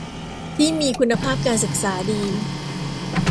ที่มีคุณภาพการศึกษาดี